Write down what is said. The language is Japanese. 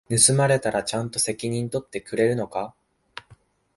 盗まれたらちゃんと責任取ってくれるのか？